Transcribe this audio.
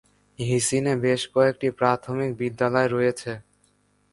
হিচিনে বেশ কয়েকটি প্রাথমিক বিদ্যালয় রয়েছে।